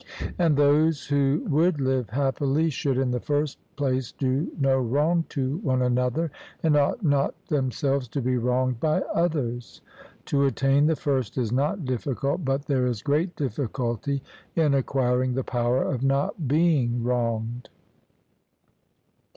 And those who would live happily should in the first place do no wrong to one another, and ought not themselves to be wronged by others; to attain the first is not difficult, but there is great difficulty in acquiring the power of not being wronged.